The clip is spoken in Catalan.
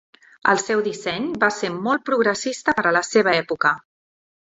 El seu disseny va ser molt progressista per a la seva època.